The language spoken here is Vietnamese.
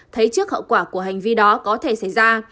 thấy trước hậu quả của hành vi đó có thể xảy ra